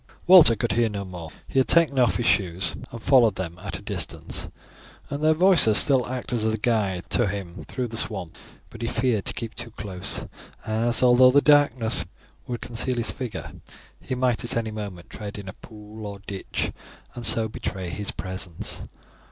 Walter could hear no more; he had taken off his shoes and followed them at a distance, and their voices still acted as a guide to him through the swamp. But he feared to keep too close, as, although the darkness would conceal his figure, he might at any moment tread in a pool or ditch, and so betray his presence.